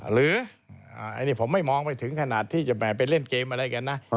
หรืออันนี้ผมไม่มองไปถึงขนาดที่จะแห่ไปเล่นเกมอะไรกันนะ